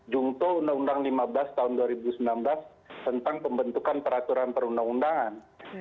jungto undang undang lima belas tahun dua ribu sembilan belas tentang pembentukan peraturan perundang undangan